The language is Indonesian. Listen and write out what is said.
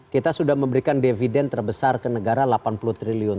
kita sudah memberikan dividen terbesar ke negara rp delapan puluh triliun